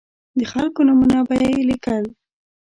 د خلکو نومونه به یې لیکل.